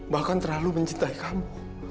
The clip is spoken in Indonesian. bahkan terlalu mencintai kamu